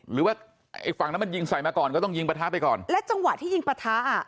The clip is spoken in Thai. หรือว่าไอ้ฝั่งนั้นมันยิงใส่มาก่อนก็ต้องยิงประทะไปก่อนและจังหวะที่ยิงปะทะอ่ะ